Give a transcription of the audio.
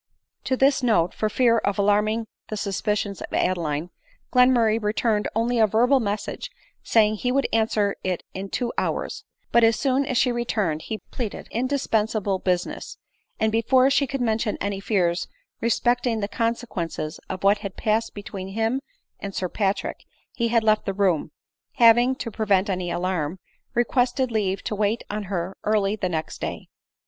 To this note, for fear of alarming the suspicions of Ad eline, Glenmurray returned only a verbal message, saying he would *kiswer it in two hours ; but as soon as she re turned he pleaded indispensable business ; and before she could mention any fears respecting the consequences of what had pased between him and Sir Patrick, he had left the room, having, to prevent any alarm, requested leave to wait on her early the next day.